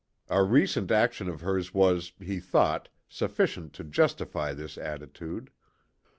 A recent action of hers was, he thought, sufficient to justify this attitude.